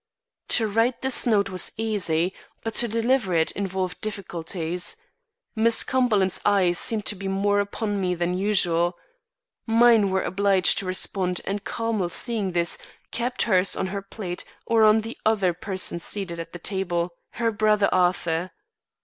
"To write this note was easy, but to deliver it involved difficulties. Miss Cumberland's eyes seemed to be more upon me than usual. Mine were obliged to respond and Carmel seeing this, kept hers on her plate or on the one other person seated at the table, her brother Arthur.